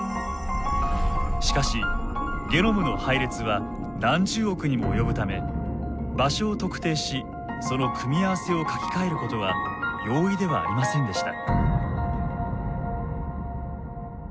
しかしゲノムの配列は何十億にも及ぶため場所を特定しその組み合わせを書きかえることは容易ではありませんでした。